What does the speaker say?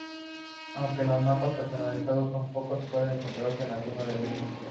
Aunque los mapas personalizados son pocos, pueden encontrarse algunos en línea.